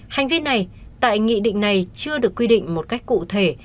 hành vi này tại nghị định này chưa được quy định một cách cụ thể